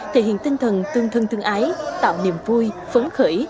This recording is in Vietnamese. thể hiện tinh thần tương thân tương ái tạo niềm vui phấn khởi